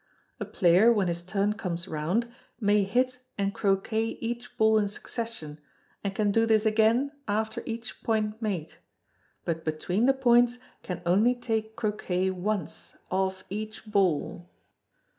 A player, when his turn comes round, may hit and Croquet each ball in succession, and can do this again after each point made, but between the points can only take Croquet once off each ball.